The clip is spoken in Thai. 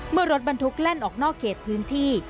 เมื่อรถบรรทุกแล่นออกนอกเขตพื้นที่